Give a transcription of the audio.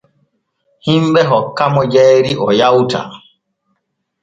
Himɓe hokkamo jayri o yawta.